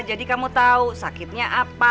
jadi kamu tau sakitnya apa